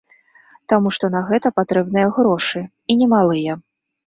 Таму што на гэта патрэбныя грошы, і немалыя.